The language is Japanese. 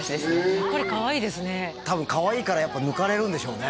やっぱりかわいいですねたぶんかわいいからやっぱ抜かれるんでしょうね